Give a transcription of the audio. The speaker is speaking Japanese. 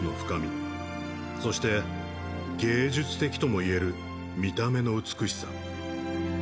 そして芸術的ともいえる見た目の美しさ